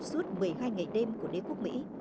suốt một mươi hai ngày đêm của đế quốc mỹ